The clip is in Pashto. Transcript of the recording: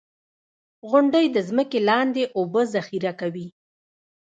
• غونډۍ د ځمکې لاندې اوبه ذخېره کوي.